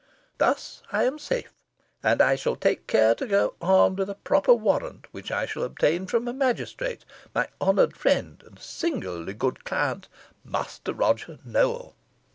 Thus I am safe; and I shall take care to go armed with a proper warrant, which I shall obtain from a magistrate, my honoured friend and singular good client, Master Roger Newell.